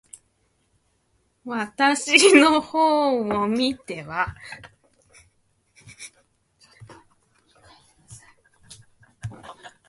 私の方を見ては、何かしきりに相談しているようでしたが、ついに、その一人が、上品な言葉で、何か呼びかけました。